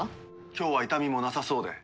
今日は痛みもなさそうで。